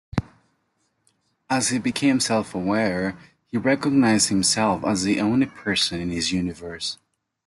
As he became self-aware, he recognized himself as the only person in his Universe.